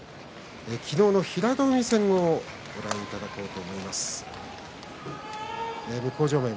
昨日の平戸海戦をご覧いただこうと思います。